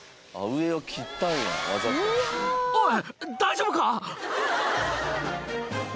おい！